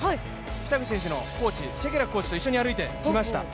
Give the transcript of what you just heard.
北口選手のコーチ、シェケラックコーチと一緒に歩いてきました。